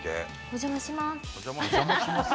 「お邪魔します」？